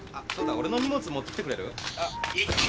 俺の荷物持ってきてくれる？